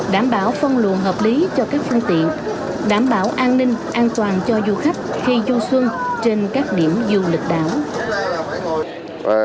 đảm bảo phân luận hợp lý cho các phương tiện đảm bảo an ninh an toàn cho du khách khi du xuân trên các điểm du lịch đảo